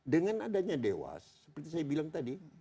dengan adanya dewas seperti saya bilang tadi